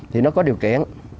thì nó có điều kiện